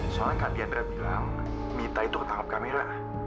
soalnya kak dianra bilang mita itu ketangkep kamera